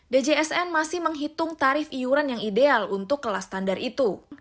djsn masih menghitung tarif iuran yang ideal untuk kelas standar itu